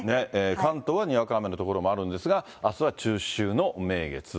関東はにわか雨の所もあるんですが、あすは中秋の名月。